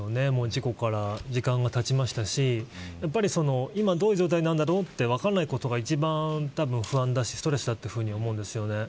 事故から時間がたちましたし今どういう状態か分からないことがたぶん一番不安だしストレスだと思うんです。